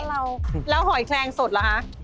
แล้วหอยแคลงสดเหรอคะ